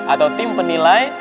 atau tim penilai